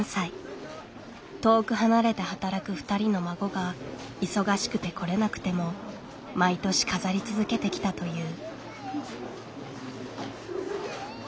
遠く離れて働く２人の孫が忙しくて来れなくても毎年飾り続けてきたという。